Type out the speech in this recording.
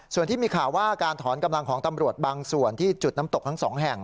ส่วนที่มีข่าวว่าการถอนกำลังของตำรวจบางส่วนที่จุดน้ำตกทั้งสองแห่ง